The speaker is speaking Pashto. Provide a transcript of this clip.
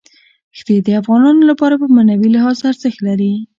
ښتې د افغانانو لپاره په معنوي لحاظ ارزښت لري.